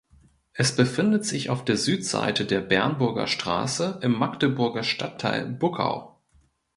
Es befindet sich auf der Südseite der Bernburger Straße im Magdeburger Stadtteil Buckau.